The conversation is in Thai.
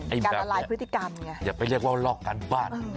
การละลายพฤติกรรมอย่างเงี้ยอย่าไปเรียกว่าลอกการบั้น